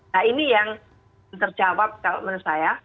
nah ini yang terjawab kalau menurut saya